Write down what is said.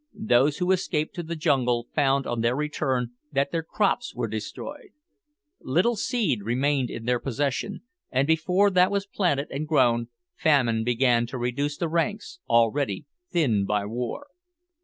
Those who escaped to the jungle found on their return that their crops were destroyed. Little seed remained in their possession, and before that was planted and grown, famine began to reduce the ranks, already thinned by war.